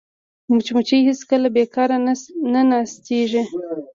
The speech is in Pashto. مچمچۍ هېڅکله بیکاره نه ناستېږي